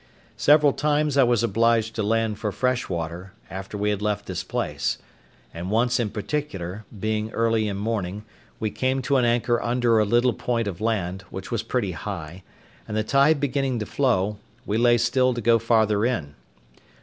Several times I was obliged to land for fresh water, after we had left this place; and once in particular, being early in morning, we came to an anchor under a little point of land, which was pretty high; and the tide beginning to flow, we lay still to go farther in.